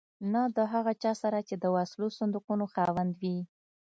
نه د هغه چا سره چې د وسلو صندوقونو خاوند وي.